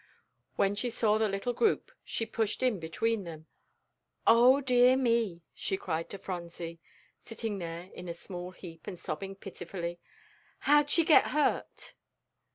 When she saw the little group she pushed in between them. "O dear me!" she cried to Phronsie, sitting there in a small heap and sobbing pitifully, "how'd she get hurt?"